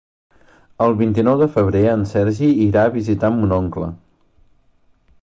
El vint-i-nou de febrer en Sergi irà a visitar mon oncle.